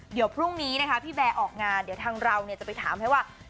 เดี๋ยวพรุ่งนี้นะคะพี่แบร์ออกงานเดี๋ยวทางเราจะไปถามให้ว่า